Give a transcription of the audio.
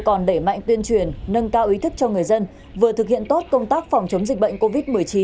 còn đẩy mạnh tuyên truyền nâng cao ý thức cho người dân vừa thực hiện tốt công tác phòng chống dịch bệnh covid một mươi chín